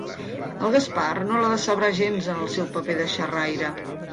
El Gaspar no la decebrà gens en el seu paper de xerraire.